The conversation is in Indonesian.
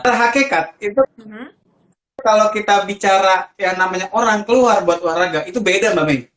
kalau hakikat itu kalau kita bicara yang namanya orang keluar buat olahraga itu beda mbak may